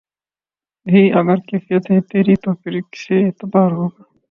یہی اگر کیفیت ہے تیری تو پھر کسے اعتبار ہوگا